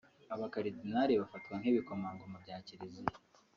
Abakaridinali bafatwa nk’ibikomangoma bya Kiliziya